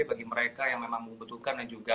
bagi mereka yang memang membutuhkan dan juga